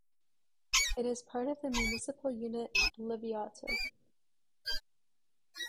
It is part of the municipal unit Leivatho.